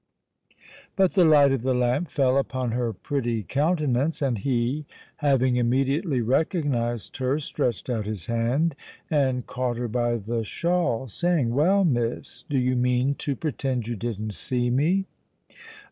But the light of the lamp fell upon her pretty countenance; and he, having immediately recognised her, stretched out his hand and caught her by the shawl, saying, "Well, Miss—do you mean to pretend you didn't see me?"